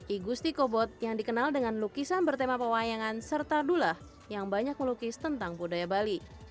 igusti kobot yang dikenal dengan lukisan bertema pewayangan serta dulah yang banyak melukis tentang budaya bali